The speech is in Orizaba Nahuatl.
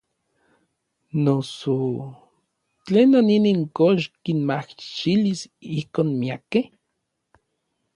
Noso ¿tlenon inin kox kinmajxilis ijkon miakej?